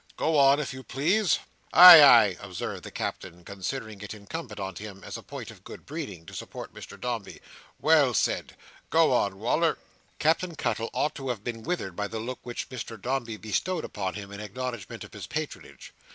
"Go on, if you please." "Ay, ay," observed the Captain, considering it incumbent on him, as a point of good breeding, to support Mr Dombey. "Well said! Go on, Wal"r." Captain Cuttle ought to have been withered by the look which Mr Dombey bestowed upon him in acknowledgment of his patronage.